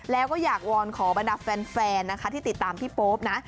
แล้วก็อยากวอนขอบรรดาแฟนนะคะที่ติดตามพี่โป๊ปนะ